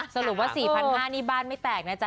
สรุปว่า๔๕๐๐บาทนี่บ้านไม่แตกนะจ๊